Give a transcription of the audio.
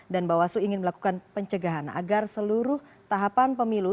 dan bawaslu ingin melakukan pencegahan agar seluruh tahapan pemilu